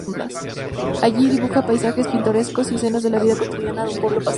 Allí, dibuja paisajes pintorescos y escenas de la vida cotidiana de un pueblo pacífico.